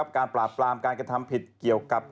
ปราบปรามการกระทำผิดเกี่ยวกับ